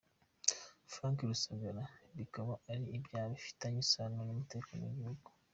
Frank Rusagara, bikaba ari ibyaha bifitanye isano n’umutekano w’igihugu.